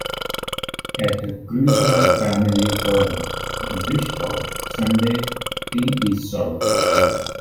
At the Crusoe family home in Bristol, Sunday tea is served.